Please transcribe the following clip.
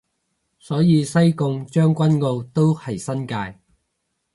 所以西貢將軍澳都係新界